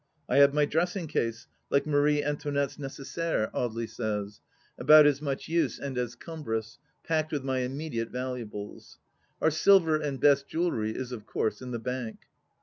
I have my dressing case— like Marie Antoinette's nicessaire, THE LAST DITCH 199 Audely says : about as much use and as cumbrous — packed with my immediate valuables, (Our silver and best jewellery is of course in the Bank.)